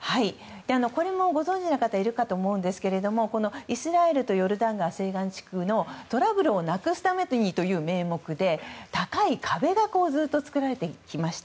これも、ご存じの方いるかと思いますがイスラエルとヨルダン川西岸地区のトラブルをなくすためという名目で高い壁がずっと作られていきました。